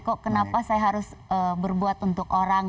kok kenapa saya harus berbuat untuk orang